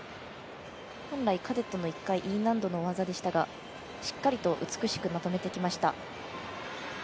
本来、カデットの１回Ｅ難度の技でしたがしっかりと美しくまとめてきました。